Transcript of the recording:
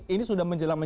ini sudah menjelaskan